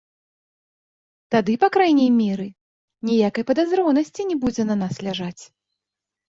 Тады, па крайняй меры, ніякай падазронасці не будзе на нас ляжаць.